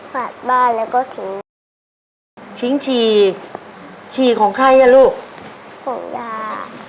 ขาดบ้านแล้วก็ทิ้งชิงชีชีของใครอ่ะลูกของยาย